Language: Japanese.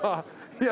いや。